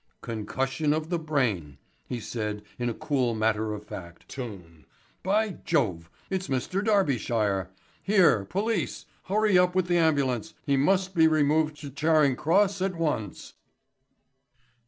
"Concussion of the brain," he said in a cool matter of fact tone. "By Jove, it's Dr. Derbyshire. Here, police; hurry up with the ambulance; he must be removed to Charing Cross at once."